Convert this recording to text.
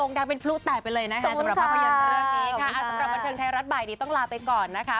ขอให้ดงดังเป็นผู้แตกไปเลยนะคะ